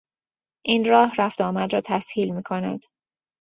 این راه رفت و آمد را تسهیل می کند.